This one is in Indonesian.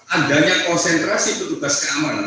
adanya konsentrasi petugas keamanan